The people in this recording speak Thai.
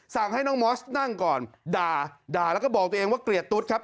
ให้น้องมอสนั่งก่อนด่าด่าแล้วก็บอกตัวเองว่าเกลียดตุ๊ดครับ